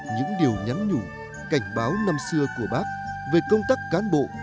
những điều nhắn nhủ cảnh báo năm xưa của bác về công tác cán bộ